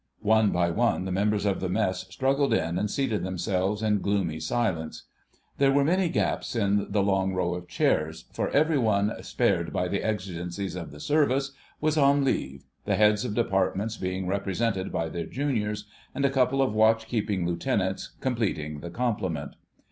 One by one the members of the Mess struggled in and seated themselves in gloomy silence. There were many gaps in the long row of chairs, for every one "spared by the exigencies of the Service" was on leave, the heads of departments being represented by their juniors, and a couple of Watch keeping Lieutenants completing the complement.